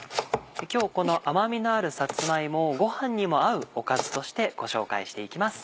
今日この甘みのあるさつま芋をごはんにも合うおかずとしてご紹介していきます。